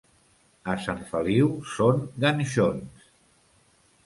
A Sant Feliu són ganxons.